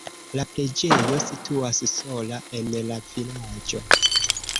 La preĝejo situas sola en la vilaĝo.